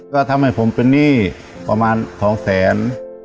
ก็ทำให้ผมเป็นหนี้ประมาณ๒แสน